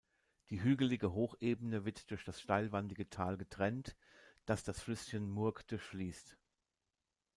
Die hügelige Hochebene wird durch das steilwandige Tal getrennt, das das Flüsschen Murg durchfließt.